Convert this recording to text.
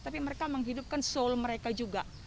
tapi mereka menghidupkan seoul mereka juga